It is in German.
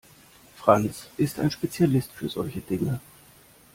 Franz ist ein Spezialist für solche Dinge.